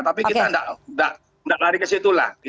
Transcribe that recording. tapi kita tidak lari ke situ lah